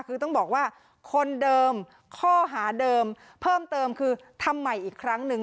คือต้องบอกว่าคนเดิมข้อหาเดิมเพิ่มเติมคือทำใหม่อีกครั้งหนึ่ง